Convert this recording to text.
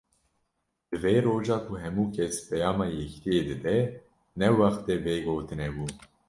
Di vê roja ku hemû kes peyama yekitiyê dide, ne wextê vê gotinê bû.